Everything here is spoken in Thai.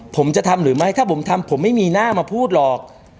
ผมจะทำหรือไม่ถ้าผมทำผมไม่มีหน้ามาพูดหรอก